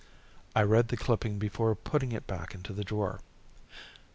I read the clipping before putting it back in the drawer.